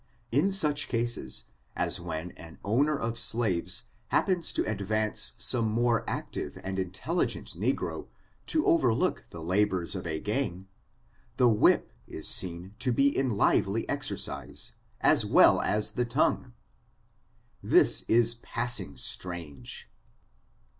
In such cases as when an owner of slaves happens to advance some more active and intelligent negro to overlook the labors of a gang, the whip is seen to be in lively exercise, as well as the tongue. This is passing strange